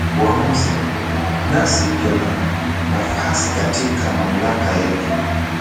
Waamuzi, nasi tuna nafasi katika mamlaka yetu